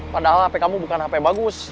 padahal hp kamu bukan hp bagus